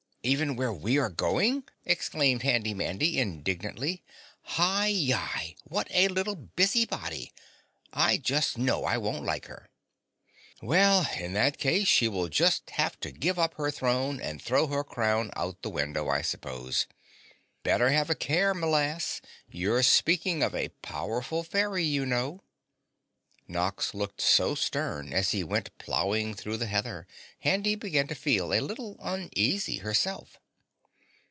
"Even where we are going?" exclaimed Handy Mandy indignantly. "Hi yi what a little busy body. I just know I won't like her." "Well, in that case she will just have to give up her throne and throw her crown out of the window, I suppose! Better have a care, m'lass, you're speaking of a powerful fairy, you know." Nox looked so stern as he went plowing through the heather, Handy began to feel a little uneasy herself.